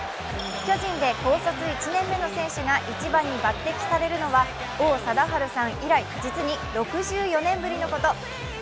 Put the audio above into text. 巨人で高卒１年目の選手が１番に抜てきされるのは王貞治さん以来、実に６４年ぶりのこと。